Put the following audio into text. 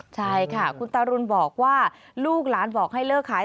ใช่ค่ะคุณตารุณบอกว่าลูกหลานบอกให้เลิกขาย